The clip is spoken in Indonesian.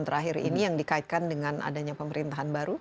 terakhir ini yang dikaitkan dengan adanya pemerintahan baru